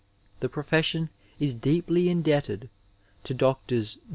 The pro fession is deeply indebted to Drs.